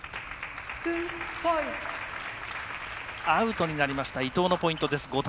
アウトになりました伊藤のポイントです。